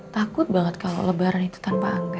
takut banget kalau lebaran itu tanpa angga